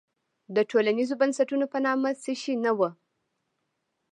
د ټولنیزو بنسټونو په نامه څه شی نه وو.